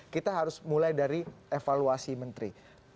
kita harus mulai dari evaluasi menteri